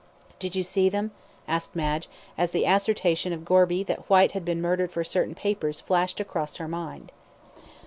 "Did you see them?" asked Madge, as the assertion of Gorby that Whyte had been murdered for certain papers flashed across her mind.